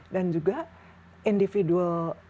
dan juga individual